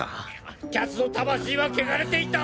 彼奴の魂は汚れていた！